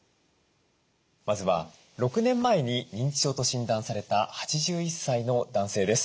まずは６年前に認知症と診断された８１歳の男性です。